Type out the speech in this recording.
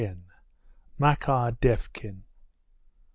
MAKAR DEVKIN.